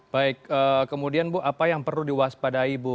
baik kemudian bu apa yang perlu diwaspadai ibu